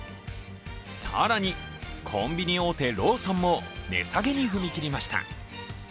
更にコンビニ大手、ローソンも値下げに踏み切りました。